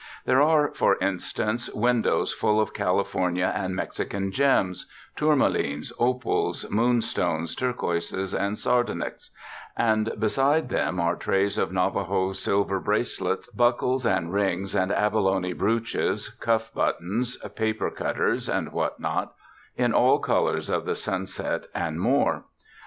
There are, for instance, windows full of California and Mexican gems — tourmalines, opals, moon stones, turquoises, and sardonyx; and beside them are trays of Navajo silver bracelets, buckles and rings, and abalone brooches, cuff buttons, paper cut ters and what not, in all colors of the sunset and more.